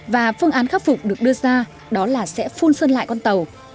và phương án khắc phục được đưa ra đó là sẽ phun sơn lại con tàu